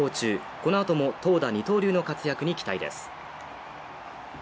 この後も投打二刀流の活躍に期待です。